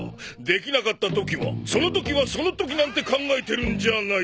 できなかった時はその時はその時なんて考えてるんじゃないだろうな。